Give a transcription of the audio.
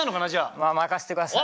まあ任せて下さい。